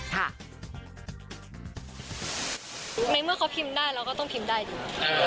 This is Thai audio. ในเมื่อเขาพิมพ์ได้เราก็ต้องพิมพ์ได้ดี